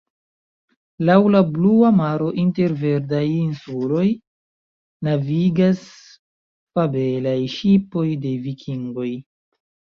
Laŭ la blua maro inter verdaj insuloj navigas fabelaj ŝipoj de vikingoj.